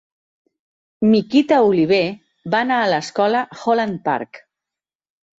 Miquita Oliver va anar a l'escola Holland Park.